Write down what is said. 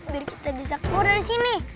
biar kita bisa keluar dari sini